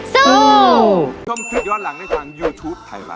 สู้